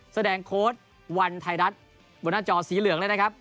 โค้ดวันไทยรัฐบนหน้าจอสีเหลืองเลยนะครับ